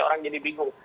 orang jadi bingung